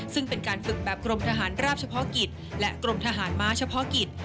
ซึ่งเป็นการฝึกแบบกรมทหารราบเฉพาะกิจและกรมทหารม้าเฉพาะกิจ